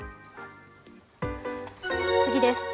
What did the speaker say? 次です。